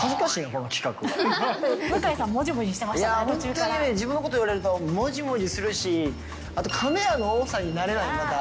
本当にね、自分のこと言われると、もじもじするし、あとカメラの多さに慣れない、まだ。